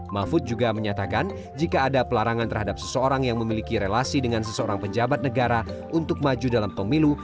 mahfud juga menyatakan jika ada pelarangan terhadap seseorang yang memiliki relasi dengan seseorang penjabat negara untuk maju dalam pemilu